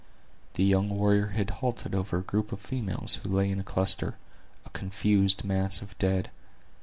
The young warrior had halted over a group of females who lay in a cluster, a confused mass of dead.